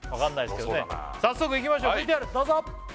すごそうだな早速いきましょうＶＴＲどうぞ！